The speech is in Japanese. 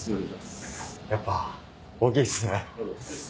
やっぱ大きいですね。